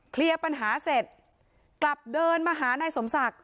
เคลียร์ปัญหาเสร็จกลับเดินมาหานายสมศักดิ์